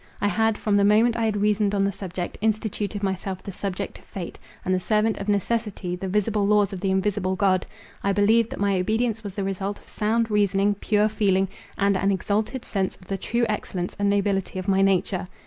I had, from the moment I had reasoned on the subject, instituted myself the subject to fate, and the servant of necessity, the visible laws of the invisible God—I believed that my obedience was the result of sound reasoning, pure feeling, and an exalted sense of the true excellence and nobility of my nature.